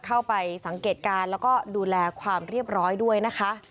เข้าไปสังเกตการณ์แล้วก็ดูแลความเรียบร้อยด้วยนะคะ